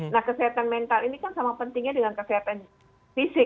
nah kesehatan mental ini kan sama pentingnya dengan kesehatan fisik